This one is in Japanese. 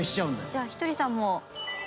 じゃあひとりさんも。